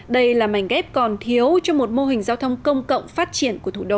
đây là mảnh ghép còn thiếu cho một mô hình giao thông công cộng phát triển của thủ đô